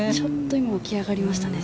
今、起き上がりましたね